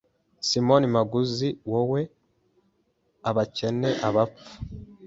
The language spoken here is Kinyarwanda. Simon Magus wowe abakene abapfu